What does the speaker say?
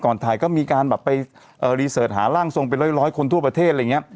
ถ่ายก็มีการแบบไปรีเสิร์ตหาร่างทรงเป็นร้อยคนทั่วประเทศอะไรอย่างนี้